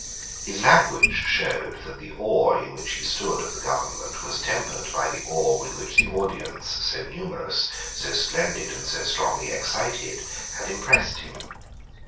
His language showed that the awe in which he stood of the government was tempered by the awe with which the audience, so numerous, so splendid, and so strongly excited, had impressed him.